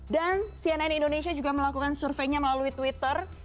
dan cnn indonesia juga melakukan surveinya melalui twitter